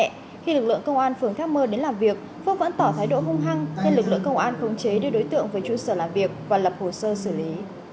khi lực lượng công an phường thác mơ đến làm việc phước vẫn tỏ thái độ hung hăng nên lực lượng công an khống chế đưa đối tượng về trụ sở làm việc và lập hồ sơ xử lý